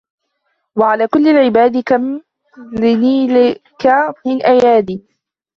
وعلى كل العباد كم لنيلكِ من أيادِ